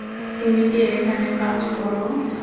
তুমি কি এখানে কাজ করো?